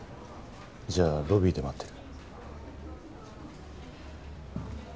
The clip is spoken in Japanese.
じゃあロビーで待ってる。